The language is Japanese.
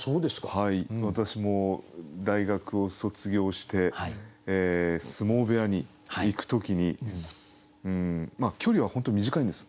私も大学を卒業して相撲部屋に行く時に距離は本当に短いんです。